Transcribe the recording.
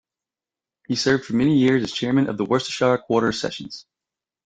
He served for many years as chairman of the Worcestershire Quarter Sessions.